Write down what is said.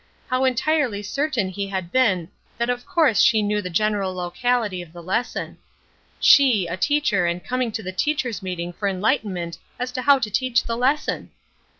How entirely certain he had been that of course she knew the general locality of the lesson. She a teacher and coming to the teachers' meeting for enlightenment as to how to teach the lesson!